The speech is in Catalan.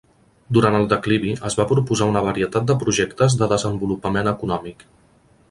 Durant el declivi es va proposar una varietat de projectes de desenvolupament econòmic.